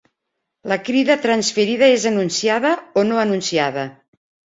La crida transferida és anunciada o no anunciada.